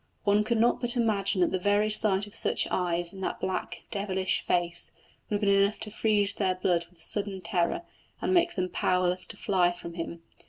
One could not but imagine that the very sight of such eyes in that black, devilish face would have been enough to freeze their blood with sudden terror, and make them powerless to fly from him.